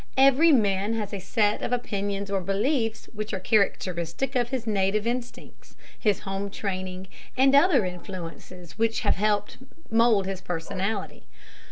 Every man has a set of opinions or beliefs which are characteristic of his native instincts, his home training, and other influences which have helped mould his personality.